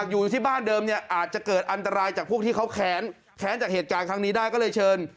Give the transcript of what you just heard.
อยู่ที่บ้านเดิมเนี่ยอาจจะเกิดอันตรายจากพวกที่เขาแค้นแค้นจากเหตุการณ์ครั้งนี้ได้ก็เลยเชิญ